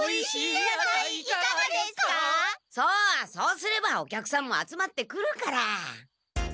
そうそうすればお客さんも集まってくるから。